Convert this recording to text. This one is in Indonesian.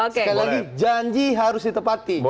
sekali lagi janji harus ditepati